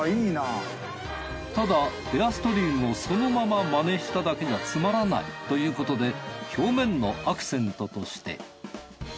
ただエアストリームをそのままマネしただけじゃつまらないということで表面のアクセントとして。